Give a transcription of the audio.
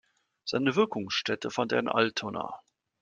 Seine Wirkungsstätte fand er in Altona.